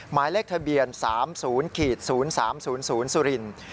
หมายเลขทะเบียน๓๐๐๓๐๐สุรินทร์